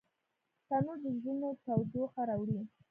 تنور د زړونو تودوخه راوړي